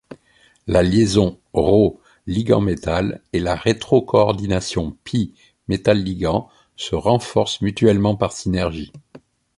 La liaison σ ligand-métal et la rétrocoordination π métal-ligand se renforcent mutuellement par synergie.